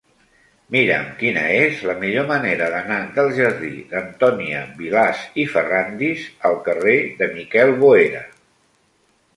Mira'm quina és la millor manera d'anar del jardí d'Antònia Vilàs i Ferràndiz al carrer de Miquel Boera.